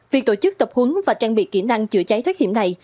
việc tổ chức tập huấn và trang bị kỹ năng chữa cháy thoát hiểm này